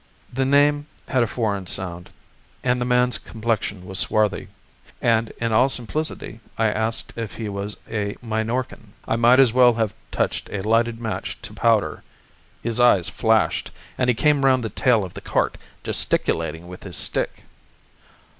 The name had a foreign sound, and the man's complexion was swarthy, and in all simplicity I asked if he was a Minorcan. I might as well have touched a lighted match to powder. His eyes flashed, and he came round the tail of the cart, gesticulating with his stick.